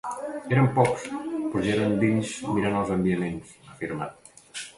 Eren pocs, però ja eren dins mirant els enviaments, ha afirmat.